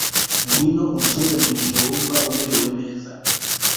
Ngwino unsure mugihe wumva umerewe neza